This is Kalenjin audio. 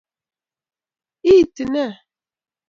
Iiti ne?